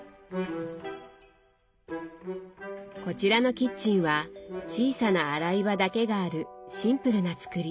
こちらのキッチンは小さな洗い場だけがあるシンプルな作り。